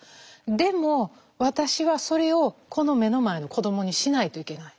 でも私はそれをこの目の前の子どもにしないといけない。